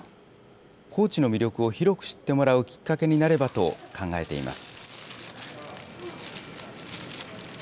高知の魅力を広く知ってもらうきっかけになればと考えています。